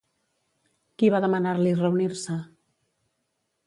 Qui va demanar-li reunir-se?